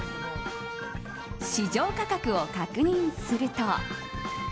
市場価格を確認すると。